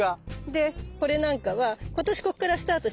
でこれなんかは今年こっからスタートしてるから２年目だ。